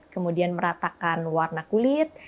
kemudian meratakan warna kulit